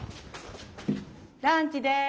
ランチです。